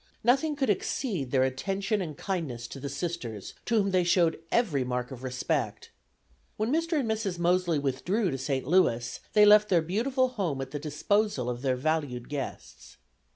Nothing could exceed their attention and kindness to the Sisters, to whom they showed every mark of respect. When Mr. and Mrs. Mosely withdrew to St. Louis they left their beautiful home at the disposal of their valued guests.